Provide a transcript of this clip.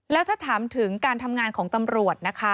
แล้วถ้าถามถึงการทำงานของตำรวจนะคะ